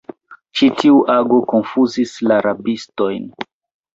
Ĉi tiu ago konfuzis la rabistojn.